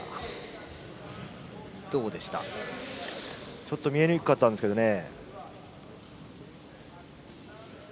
ちょっと見えにくかったんですけどね。